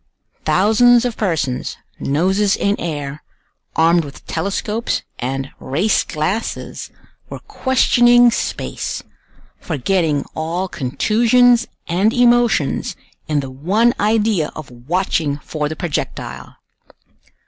Thousands of persons, noses in air, armed with telescopes and race glasses, were questioning space, forgetting all contusions and emotions in the one idea of watching for the projectile.